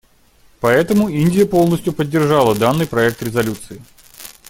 Поэтому Индия полностью поддержала данный проект резолюции.